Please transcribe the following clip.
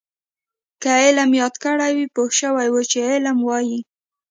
که علم یاد کړی وی پوه شوي وو چې علم وايي.